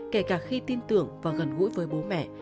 kể cả khi tin tưởng và gần gũi với bố mẹ